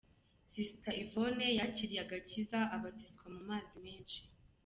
Sister Yvonne yakiriye agakiza abatizwa mu mazi menshi.